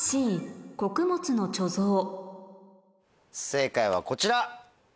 正解はこちら。